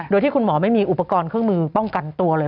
โดยที่คุณหมอไม่มีอุปกรณ์เครื่องมือป้องกันตัวเลย